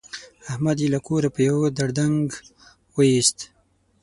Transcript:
احمد يې له کوره په يوه دړدنګ ویوست.